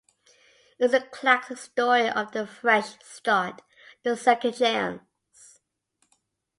It's the classic story of the fresh start, the second chance.